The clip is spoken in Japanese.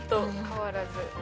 変わらず。